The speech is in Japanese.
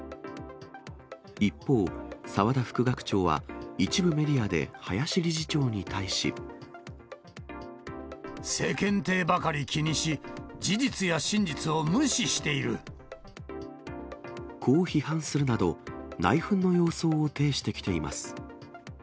一方、澤田副学長は、一部メディアで林理事長に対し。世間体ばかり気にし、事実やこう批判するなど、内紛の様相を呈してきています。